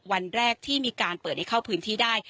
วันแรกที่มีการเปิดให้เข้าพื้นที่ได้